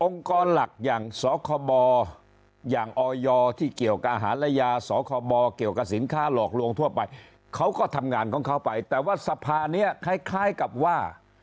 กรหลักอย่างสคบอย่างออยที่เกี่ยวกับอาหารและยาสคบเกี่ยวกับสินค้าหลอกลวงทั่วไปเขาก็ทำงานของเขาไปแต่ว่าสภานี้คล้ายกับว่า